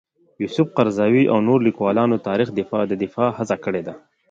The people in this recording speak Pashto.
یوسف قرضاوي او نور لیکوالان د تاریخ د دفاع هڅه کړې ده.